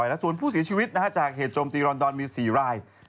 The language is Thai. และส่วนผู้เสียชีวิตจากเหตุโจมตีรอนดอนมี๔ราย